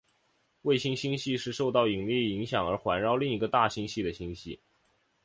卫星星系是受到引力影响而环绕另一个大星系的星系。